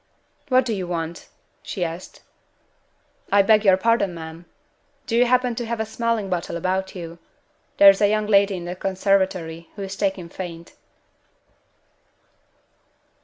"What do you want?" she asked. "I beg your pardon, ma'am. Do you happen to have a smelling bottle about you? There is a young lady in the conservatory who is taken faint."